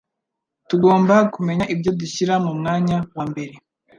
Tugomba kumenya ibyo dushyira mu mwanya wa mbere